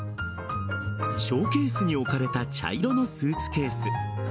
ショーケースに置かれた茶色のスーツケース。